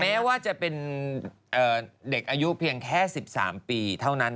แม้ว่าจะเป็นเด็กอายุเพียงแค่๑๓ปีเท่านั้น